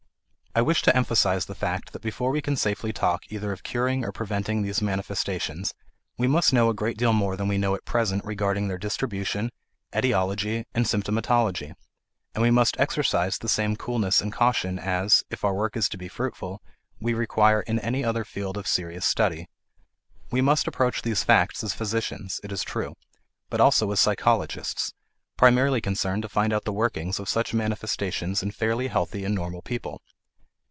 I wish to emphasize the fact that before we can safely talk either of curing or preventing these manifestations we must know a great deal more than we know at present regarding their distribution, etiology, and symptomatology; and we must exercise the same coolness and caution as if our work is to be fruitful we require in any other field of serious study. We must approach these facts as physicians, it is true, but also as psychologists, primarily concerned to find out the workings of such manifestations in fairly healthy and normal people.